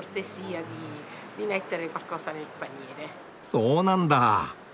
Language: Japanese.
そうなんだ！